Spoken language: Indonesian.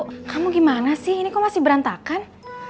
oh kamu gimana sih ini kok masih berantakan